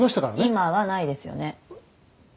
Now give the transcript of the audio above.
今はないですよね